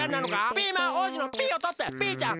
ピーマン王子の「ピー」をとってピーちゃん！